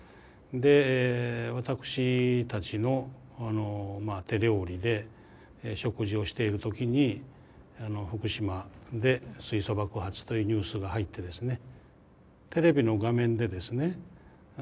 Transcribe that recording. で私たちの手料理で食事をしている時に福島で水素爆発というニュースが入ってですねテレビの画面でですね